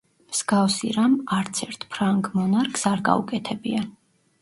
მსგავსი რამ არცერთ ფრანგ მონარქს არ გაუკეთებია.